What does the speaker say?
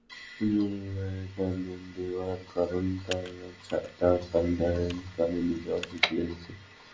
জোরে টান দেওয়ার কারণে তাঁর ডান কানের নিচের অংশ ছিঁড়ে গেছে।